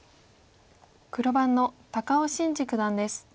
黒番の高尾紳路九段です。